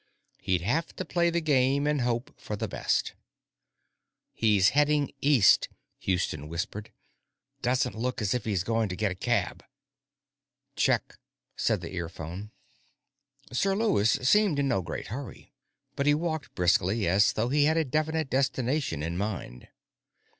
He'd have to play the game and hope for the best. "He's heading east," Houston whispered. "Doesn't look as if he's going to get a cab." "Check," said the earphone. Sir Lewis seemed in no great hurry, but he walked briskly, as though he had a definite destination in mind.